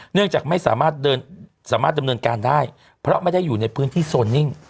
เนื่องจากไม่สามารถเดินสามารถดำเนินการได้เพราะไม่ได้อยู่ในพื้นที่โซนนิ่ง